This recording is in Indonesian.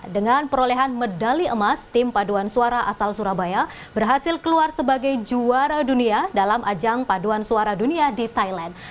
dengan perolehan medali emas tim paduan suara asal surabaya berhasil keluar sebagai juara dunia dalam ajang paduan suara dunia di thailand